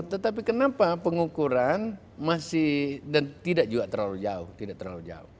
tetapi kenapa pengukuran masih dan tidak juga terlalu jauh